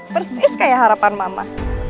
persis kayak harapan mama